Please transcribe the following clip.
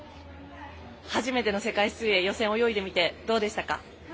初めての世界水泳予選を泳いでみてどうでしたか？